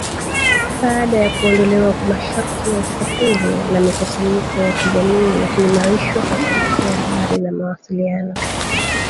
baada ya kuondolewa kwa masharti ya usafiri na mikusanyiko ya kijamii na kuimarishwa kwa sekta ya habari na mawasilia